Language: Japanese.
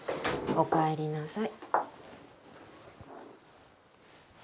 おかえりなさい。